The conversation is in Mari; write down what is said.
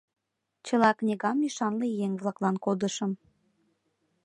Чыла книгам ӱшанле еҥ-влаклан кодышым.